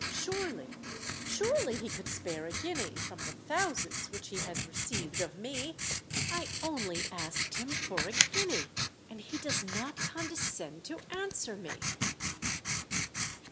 Surely—surely he could spare a guinea from the thousands which he has received of me? I only asked him for a guinea—and he does not condescend to answer me!"